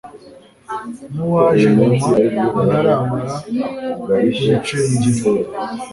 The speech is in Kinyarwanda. n'uwaje nyuma ntaramara kuricengera